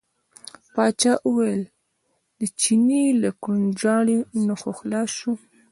پاچا وویل د چیني له کوړنجاري نه خو خلاص شو.